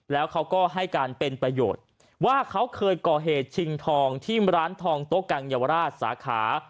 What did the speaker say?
แล้วเขาก็ให้การเป็นประโยชน์ว่าเขาเคยก่อเหตุชิงทองที่ร้านทองโต๊ะกังเยาวราชสาขา